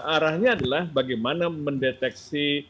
arahnya adalah bagaimana mendeteksi